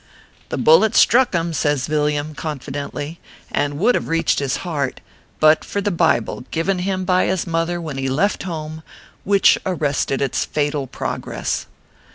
" The bullet struck him/ says Villiam, confident ly, " and would have reached his heart, but for the Bible given him by his mother when he left home, which arrested its fatal progress.